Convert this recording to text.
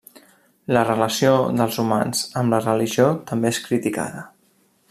La relació dels humans amb la religió també és criticada.